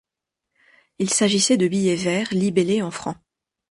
Il s'agissait de billets verts libellés en francs.